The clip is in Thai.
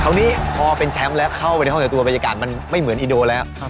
โคลนี้พอเป็นแชมป์แล้วเข้าไปในห้องศักดิ์ภายใยเกาะมันไม่เหมือนอีโดแล้ว